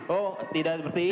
oh tidak seperti itu